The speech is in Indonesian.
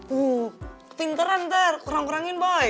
wuhh pinteran ter kurang kurangin boy